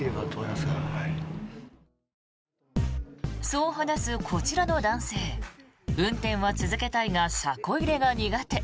そう話す、こちらの男性運転は続けたいが車庫入れが苦手。